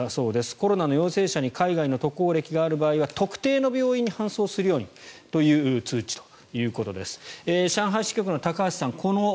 コロナの陽性者に海外の渡航歴がある場合は特定の病院に搬送するようにという通知ということです。